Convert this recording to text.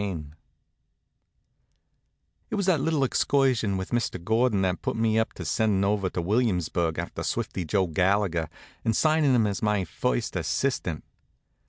CHAPTER V It was that little excursion with Mr. Gordon that puts me up to sendin' over to Williamsburg after Swifty Joe Gallagher, and signin' him as my first assistant.